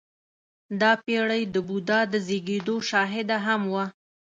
• دا پېړۍ د بودا د زېږېدو شاهده هم وه.